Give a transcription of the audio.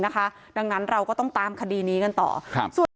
ไม่กลัวไม่กลัวเขาบอกไม่กลัว